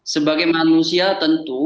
sebagai manusia tentu